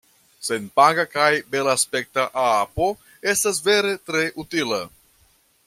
Senpaga kaj belaspekta apo estas vere tre utila.